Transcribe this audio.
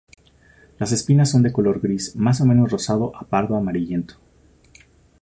Las espinas son de color gris más o menos rosado a pardo amarillento.